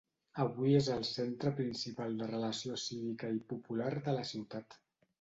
Avui és el centre principal de relació cívica i popular de la ciutat.